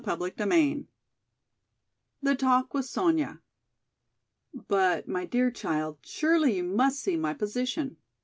CHAPTER X The Talk with Sonya "BUT, my dear child, surely you must see my position!